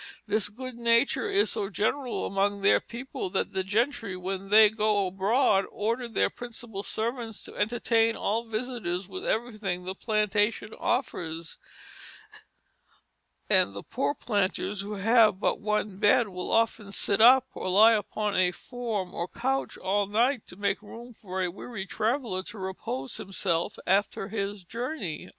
This good nature is so general among their people, that the gentry, when they go abroad, order their principal servants to entertain all visitors with everything the plantation affords; and the poor planters who have but one bed, will often sit up, or lie upon a form or couch all night, to make room for a weary traveller to repose himself after his journey."